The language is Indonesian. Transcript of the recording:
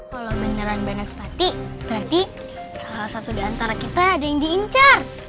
kalau menyerang banget sepati berarti salah satu di antara kita ada yang diincar